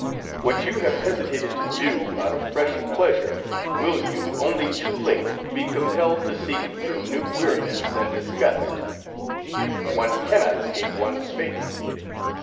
What you have hesitated to do out of fresh pleasure, will you, only too late, be com pelled to seek through new weariness and disgust. One cannot escape one's fate."